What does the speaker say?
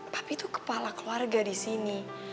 papi tuh kepala keluarga disini